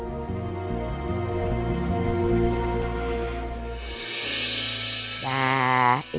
kita akan mencari reina